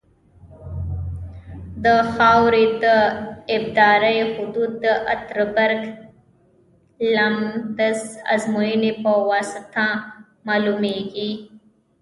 د خاورې د ابدارۍ حدود د اتربرګ لمتس ازموینې په واسطه معلومیږي